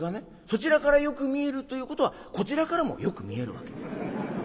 そちらからよく見えるということはこちらからもよく見えるわけ。